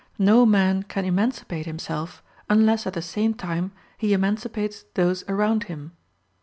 No man can emancipate himself, unless at the same time he emancipates those around him.